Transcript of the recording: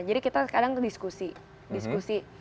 jadi kita kadang diskusi